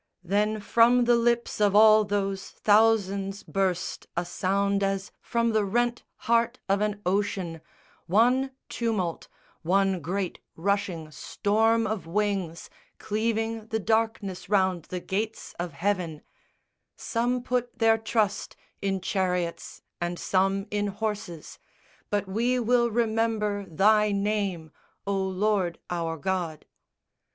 _ Then from the lips of all those thousands burst A sound as from the rent heart of an ocean, One tumult, one great rushing storm of wings Cleaving the darkness round the Gates of Heaven: _Some put their trust in chariots and some in horses; But we will remember Thy name, O Lord our God!